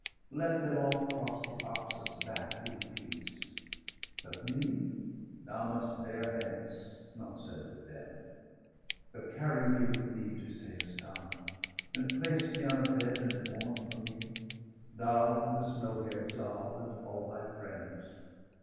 Let them all cross the Oxus back in peace. But me thou must bear hence, not send with them, But carry me with thee to Seistan, And place me on a bed, and mourn for me, 785 Thou, and the snow hair'd Zal, and all thy friends.